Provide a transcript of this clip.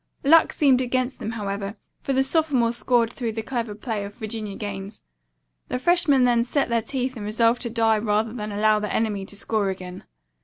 Luck seemed against them, however, for the sophomores scored through the clever playing of Virginia Gaines. The freshmen then set their teeth and resolved to die rather than allow the enemy to score again.